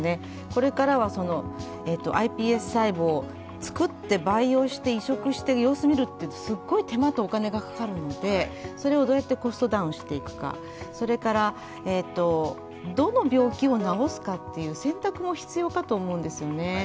これからはｉＰＳ細胞を作って培養して、移植して、様子見ると、すごく手間とお金がかかるのでそれをどうやってコストダウンしていくか、それから、どの病気を治すかという選択も必要かと思うんですよね。